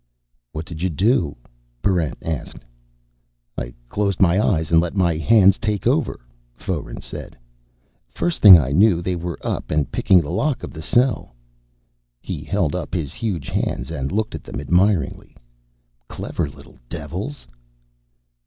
"What did you do?" Barrent asked. "I closed my eyes and let my hands take over," Foeren said. "First thing I knew, they were up and picking the lock of the cell." He held up his huge hands and looked at them admiringly. "Clever little devils!"